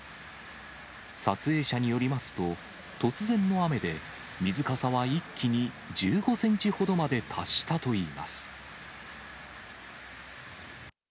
撮影者によりますと、突然の雨で、水かさは一気に１５センチほどまで達したといいます。